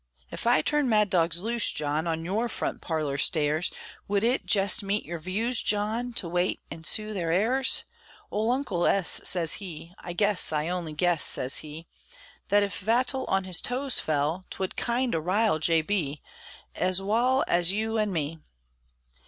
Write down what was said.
Ef I turned mad dogs loose, John, On your front parlor stairs, Would it jest meet your views, John, To wait an' sue their heirs? Ole Uncle S. sez he, "I guess, I on'y guess," sez he, "Thet ef Vattel on his toes fell, 'Twould kind o' rile J. B., Ez wal ez you an' me!"